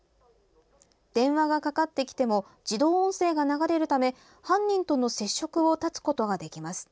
電話がかかってきても自動音声が流れるため犯人との接触を断つことができます。